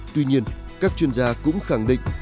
tuy nhiên các chuyên gia cũng khẳng định